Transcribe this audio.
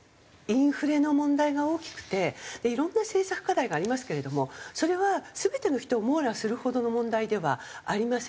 インフレの問題が大きくていろんな政策課題がありますけれどもそれは全ての人を網羅するほどの問題ではありませんよね。